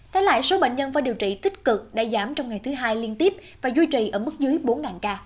thế lại số bệnh nhân phải điều trị tích cực đã giảm trong ngày thứ hai liên tiếp và duy trì ở mức dưới bốn ca